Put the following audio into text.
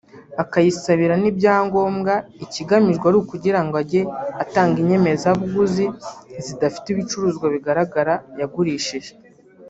akayisabira n’ibyangombwa ikigamijwe ari ukugira ngo ajye atanga inyemezabuguzi zidafite ibicuruzwa bigaragara ko yagurishije